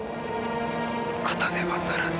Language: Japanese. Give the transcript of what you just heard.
勝たねばならぬ。